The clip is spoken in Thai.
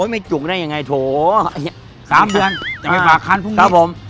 ไม่จุกได้ยังไงโถ๓เดือนจะไปฝากคันพรุ่งนี้ครับผม